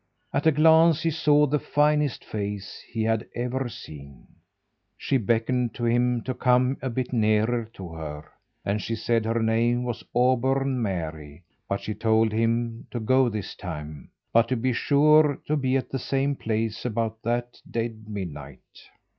At a glance he saw the finest face he had ever seen. She beckoned to him to come a bit nearer to her, and she said her name was Auburn Mary but she told him to go this time, but to be sure to be at the same place about that dead midnight.